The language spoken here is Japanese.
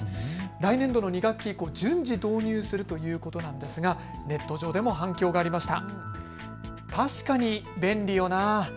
来年度の２学期以降、順次導入するということなんですがネット上でも反響がありました。